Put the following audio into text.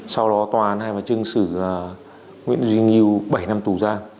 sau đó tòa án hay trưng xử nguyễn duy ngưu bảy năm tù gia